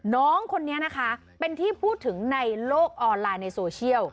น้องคนนี้นะคะเป็นที่พูดถึงในโลกออนไลน์ในโซเชียล